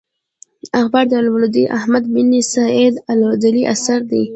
اخبار اللودي احمد بن سعيد الودي اثر دﺉ.